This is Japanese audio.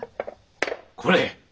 これ！